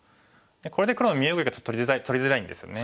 これで黒身動きがちょっと取りづらいんですよね。